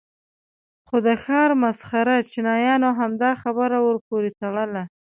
خو د ښار مسخره چیانو همدا خبره ور پورې تړله.